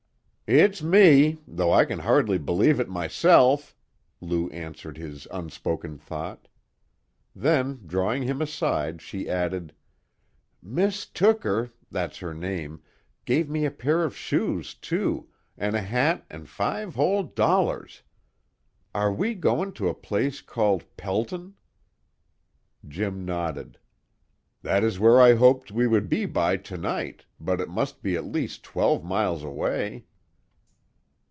"It's me, though I kin hardly believe it myself!" Lou answered his unspoken thought. Then drawing him aside she added: "Mis' Tooker that's her name gave me a pair of shoes, too, an' a hat an' five whole dollars! Are we goin' to a place called Pelton?" Jim nodded. "That is where I hoped we would be by to night, but it must be at least twelve miles away."